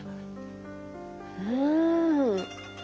うん。